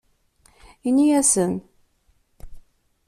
Ini-asen.